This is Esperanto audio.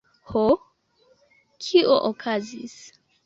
Ho? Kio okazis?